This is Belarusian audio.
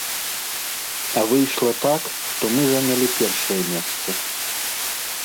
А выйшла так, што мы занялі першае месца.